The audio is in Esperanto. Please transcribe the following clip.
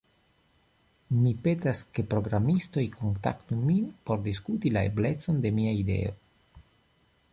Mi petas ke programistoj kontaktu min por diskuti la eblecon de mia ideo.